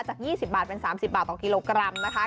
จาก๒๐บาทเป็น๓๐บาทต่อกิโลกรัมนะคะ